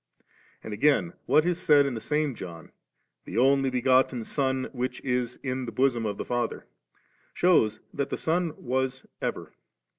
And again, what is said in the same John, 'The Only begotten Son which is in the bosom of the Father ^' shews that the Son was ever.